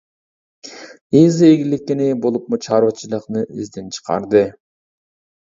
يېزا ئىگىلىكىنى، بولۇپمۇ چارۋىچىلىقنى ئىزدىن چىقاردى.